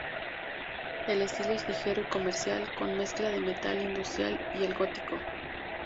El estilo es ligero y comercial, con mezcla de metal industrial y el gótico.